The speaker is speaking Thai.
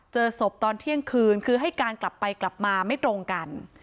เจอศพตอนเที่ยงคืนคือให้การกลับไปกลับมาไม่ตรงกัน